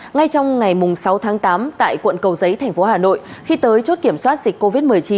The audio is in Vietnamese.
ngay trong ngày sáu tháng tám tại quận cầu giấy thành phố hà nội khi tới chốt kiểm soát dịch covid một mươi chín